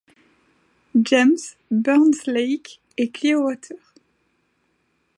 James, Burns Lake et Clearwater.